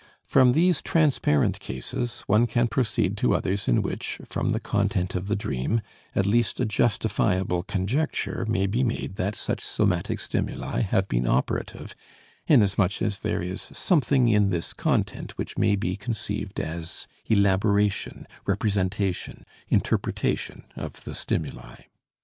From these transparent cases one can proceed to others in which, from the content of the dream, at least a justifiable conjecture may be made that such somatic stimuli have been operative, inasmuch as there is something in this content which may be conceived as elaboration, representation, interpretation of the stimuli.